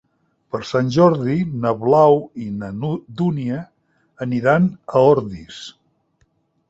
Per Sant Jordi na Blau i na Dúnia aniran a Ordis.